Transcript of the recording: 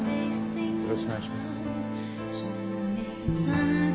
よろしくお願いします。